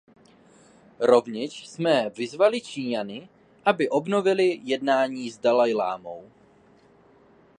Rovněž jsme vyzvali Číňany, aby obnovili jednání s dalajlamou.